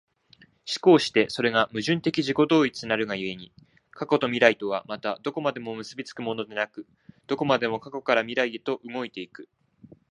而してそれが矛盾的自己同一なるが故に、過去と未来とはまたどこまでも結び付くものでなく、どこまでも過去から未来へと動いて行く。